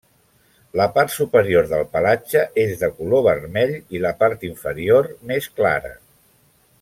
La part superior del pelatge és de color vermell i la part inferior més clara.